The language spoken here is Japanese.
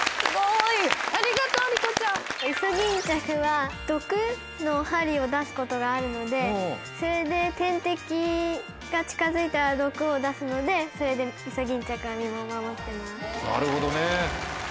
イソギンチャクは毒の針を出すことがあるのでそれで天敵が近づいたら毒を出すのでそれでイソギンチャクは身を守ってます。